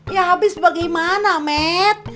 ya habis bagaimana met